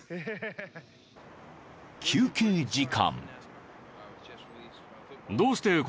［休憩時間］